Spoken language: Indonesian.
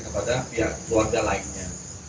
kepada pihak keluarga lainnya